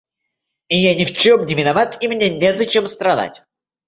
И я ни в чем не виноват, и мне не зачем страдать!